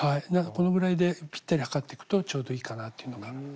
このぐらいでぴったり測ってくとちょうどいいかなというのが。